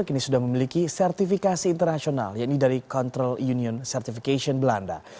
kini sudah memiliki sertifikasi internasional yaitu dari control union certification belanda